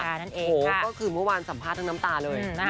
โอ้โหก็คือเมื่อวานสัมภาษณ์ทั้งน้ำตาเลย